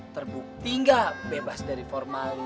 terbukti gak bebas dari formalin